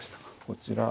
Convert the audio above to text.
こちら。